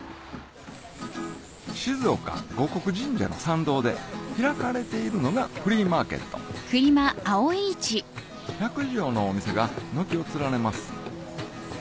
静岡護国神社の参道で開かれているのがフリーマーケット１００以上のお店が軒を連ねます